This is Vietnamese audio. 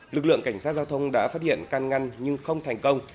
lực lượng cảnh sát giao thông đã phát hiện can ngăn nhưng không thành công